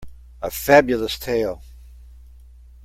A Fabulous tale.